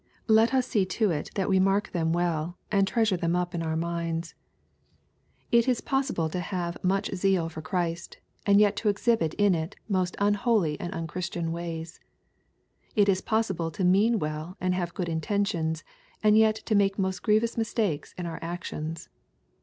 Let us see to it that we mark them well, and treasure them up in our minds. It is possible i 884 EXPOSITOBY THOUGHTS. to have mucji zeal for Christ, and yet to exhibit it in most unholy and unchristian ways. It is possible to mean well and have good intentions, and yet to make most grievous mistakes in our actions.